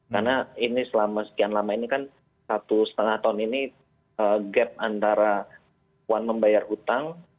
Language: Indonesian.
karena ini selama sekian lama ini kan satu setengah tahun ini gap antara uang membayar utang